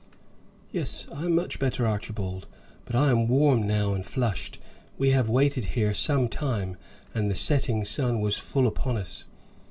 "Yes, I am much better, Archibald, but I am warm now and flushed. We have waited here some time, and the setting sun was full upon us.